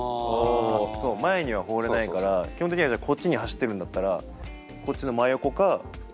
そう前には放れないから基本的にはじゃあこっちに走ってるんだったらこっちの真横かうしろか。